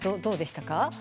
どうでしたか？